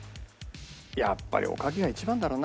やっぱりおかきが１番だろうな。